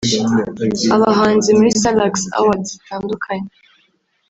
abahanzi muri Salax Awards zitandukanye